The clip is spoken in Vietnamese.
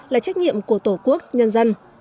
là trách nhiệm của tổ quốc nhân dân